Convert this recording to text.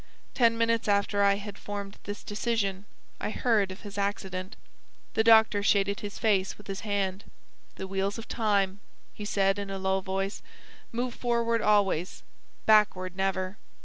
Ten minutes after I had formed this decision, I heard of his accident." The doctor shaded his face with his hand. "The wheels of time," he said in a low voice, "move forward always; backward, never."